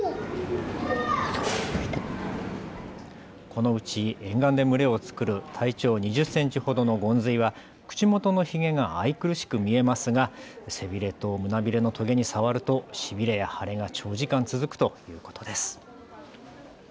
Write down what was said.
このうち沿岸で群れを作る体長２０センチほどのゴンズイは口元のひげが愛くるしく見えますが背びれと胸びれのとげに触るとしびれや腫れが長時間続くということです。